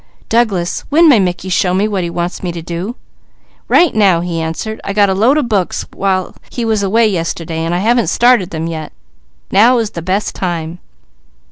"Douglas, when may Mickey show me what he wants me to do?" "Right now," he answered. "I got a load of books while he was away yesterday and I haven't started them yet. Now is the best time."